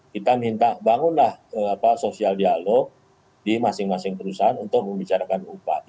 kita minta bangunlah sosial dialog di masing masing perusahaan untuk membicarakan upah